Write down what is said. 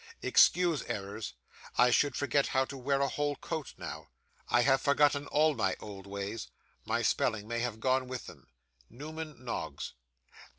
Excuse errors. I should forget how to wear a whole coat now. I have forgotten all my old ways. My spelling may have gone with them. NEWMAN NOGGS.